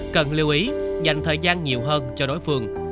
cần lưu ý dành thời gian nhiều hơn cho đối phương